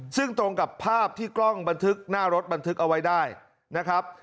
ซึ่งตรงกับภาพที่กล้องบันทึกหน้ารถบันทึกเอาไว้ได้นะครับ